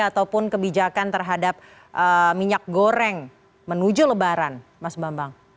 ataupun kebijakan terhadap minyak goreng menuju lebaran mas bambang